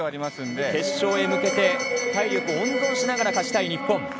決勝へ向けて体力温存しながら勝ちたい日本。